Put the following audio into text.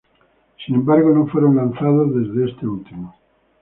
Sin embargo, no fueron lanzados desde este último.